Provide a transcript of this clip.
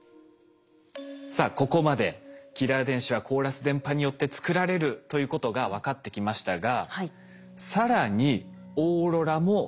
さあここまでキラー電子はコーラス電波によって作られるということが分かってきましたが更にオーロラも関係しているそうなんです。